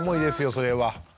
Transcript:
それは。